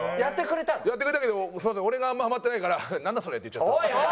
やってくれたけど俺があんまハマってないから「なんだ？それ」って言っちゃった。